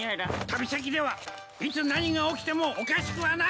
旅先ではいつ何が起きてもおかしくはない！